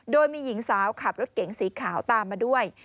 โดยมีหญิงสาวขับรถเก๋งสีขาวตามมาด้วย